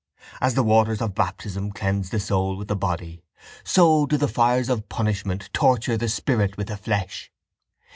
As the waters of baptism cleanse the soul with the body, so do the fires of punishment torture the spirit with the flesh.